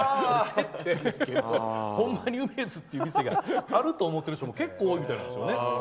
ほんまにうめづって店があると思ってる人も結構多いみたいなんですよね。